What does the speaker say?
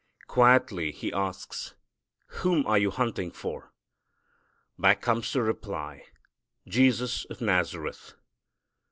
Quietly He asks, "Whom are you hunting for?" Back comes the reply, "Jesus of Nazareth."